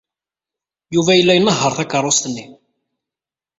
Yuba yella inehheṛ takeṛṛust-nni.